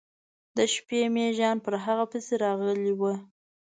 د شپې میږیان پر هغه پسې راغلي و.